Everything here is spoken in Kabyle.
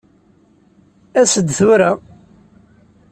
As-d tura.